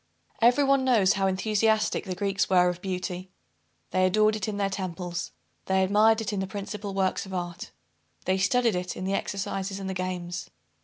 Every one knows how enthusiastic the Greeks were of beauty. They adored it in the temples. They admired it in the principal works of art. They studied it in the exercises and the games.